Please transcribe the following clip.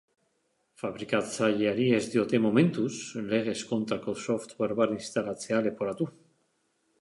Fabrikatzaileari ez diote, momentuz, legez kontrako sofware bat instalatzea leporatu.